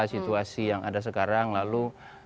situasi yang ada sekarang lalu